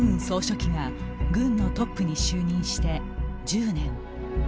総書記が軍のトップに就任して１０年。